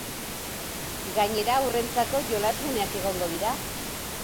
Gainera, haurrentzako jolasguneak egongo dira.